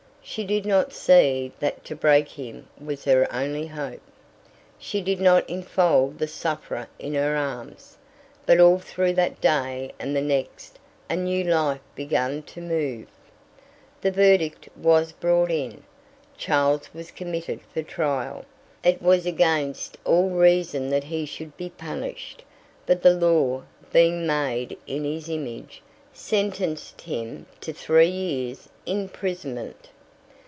She did not see that to break him was her only hope. She did not enfold the sufferer in her arms. But all through that day and the next a new life began to move. The verdict was brought in. Charles was committed for trial. It was against all reason that he should be punished, but the law, being made in his image, sentenced him to three years' imprisonment.